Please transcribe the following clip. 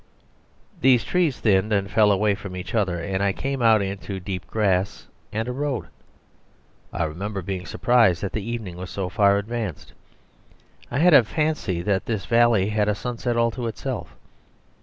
..... These trees thinned and fell away from each other, and I came out into deep grass and a road. I remember being surprised that the evening was so far advanced; I had a fancy that this valley had a sunset all to itself.